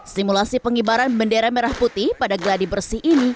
simulasi pengibaran bendera merah putih pada gladi bersih ini